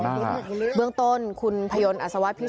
หลายคนหลายคน